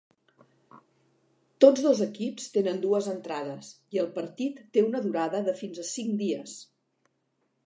Tots dos equips tenen dues entrades, i el partit té una durada de fins a cinc dies.